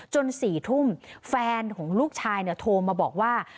๔ทุ่มแฟนของลูกชายโทรมาบอกว่า